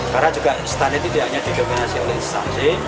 karena juga standar itu tidak hanya digominasi oleh instansi